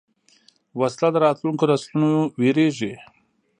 وسله د راتلونکو نسلونو وېرېږي